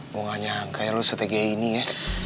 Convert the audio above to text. mau nganjangka ya lo setegi ini ya